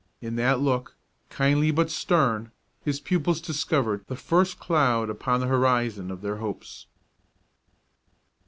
In that look, kindly but stern, his pupils discovered the first cloud upon the horizon of their hopes.